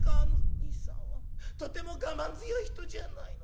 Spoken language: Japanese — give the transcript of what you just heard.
にいさんはとても我慢強い人じゃないの。